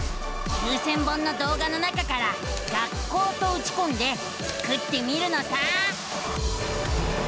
９，０００本の動画の中から「学校」とうちこんでスクってみるのさ！